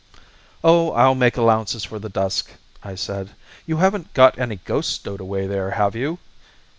"Oh, I'll make allowances for the dusk," I said. "You haven't got any ghosts stowed away there, have you?"